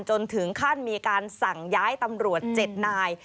จนถึงขั้นมีการสั่งย้ายตำรวจ๗นาย